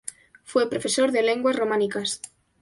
Fue profesor de lenguas románicas.